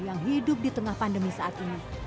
yang hidup di tengah pandemi saat ini